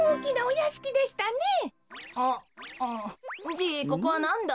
じいここはなんだ？